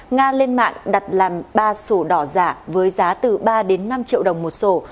nga lên mạng đặt làm ba sổ đỏ giả với giá từ ba đến năm triệu đồng một sổ